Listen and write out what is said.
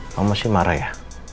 mama masih marah ya